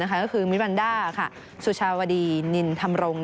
ก็คือมิริบันดาสุชาวดีนินธำรง